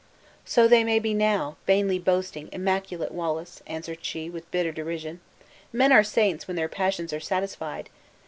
"So they may be now, vainly boasting, immaculate Wallace!" answered she, with bitter derision; "men are saints when their passions are satisfied.